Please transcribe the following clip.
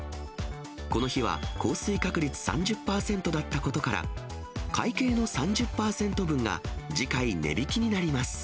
この日は、降水確率３０％だったことから、会計の３０％分が次回値引きになります。